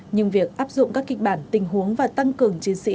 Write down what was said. nhưng việc áp dụng các kịch bản tình huống và tăng cường chiến sĩ